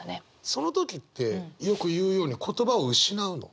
その時ってよく言うように言葉を失うの？